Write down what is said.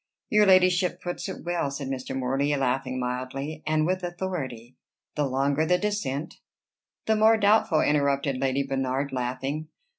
"Your ladyship puts it well," said Mr. Morley, laughing mildly, "and with authority. The longer the descent" "The more doubtful," interrupted Lady Bernard, laughing.